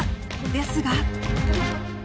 ですが。